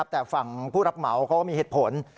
แต่ฝั่งผู้รับเหมาเขาก็มีเหตุผล